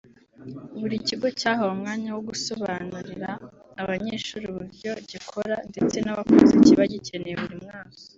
Buri kigo cyahawe umwanya wo gusobanurira abanyeshuri uburyo gikora ndetse n’abakozi kiba gikeneye buri mwaka